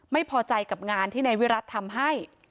ไม่พอใจกับงานที่นายวิรัติทำให้